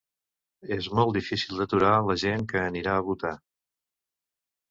És molt difícil d’aturar la gent que anirà a votar.